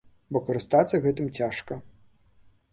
Бо карыстацца гэтым цяжка.